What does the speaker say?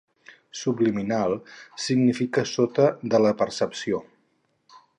Subliminal significa sota de la percepció.